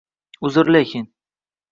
Uzr lekin.